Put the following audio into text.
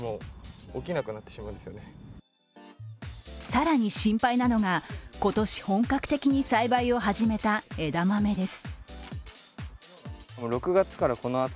更に心配なのが、今年本格的に栽培を始めた枝豆です。